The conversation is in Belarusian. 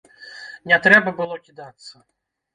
Не трэба было кідацца.